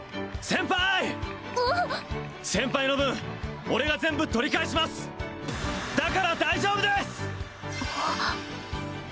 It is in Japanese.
先輩の分俺が全部取り返しますだから大丈夫です！